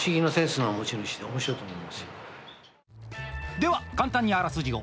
では、簡単にあらすじを。